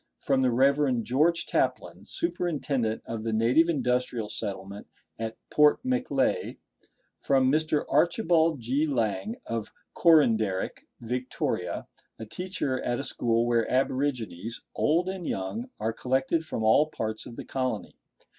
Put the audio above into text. From the Rev. George Taplin, superintendent of the native Industrial Settlement at Port Macleay. From Mr. Archibald G. Lang, of Coranderik, Victoria, a teacher at a school where aborigines, old and young, are collected from all parts of the colony.